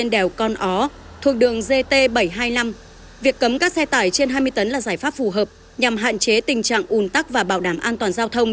đó là giải pháp phù hợp nhằm hạn chế tình trạng ủn tắc và bảo đảm an toàn giao thông